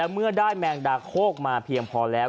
เมื่อได้แมงดาโคกมาเพียงพอแล้ว